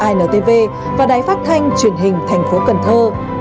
intv và đài phát thanh truyền hình thành phố cần thơ